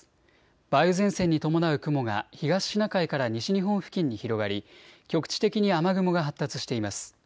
梅雨前線に伴う雲が東シナ海から西日本付近に広がり局地的に雨雲が発達しています。